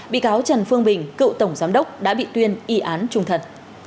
bị cáo trần phương bình cựu tổng giám đốc đã bị tuyên y án trung thật